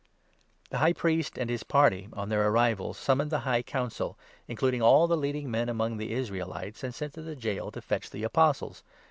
The High Priest and his party, on their arrival, summoned the High Council, including all the leading men among the Israelites, and sent to the gaol to fetch the Apostles.